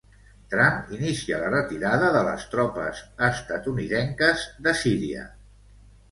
Trump inicia la retirada de les tropes estatunidenques de Síria.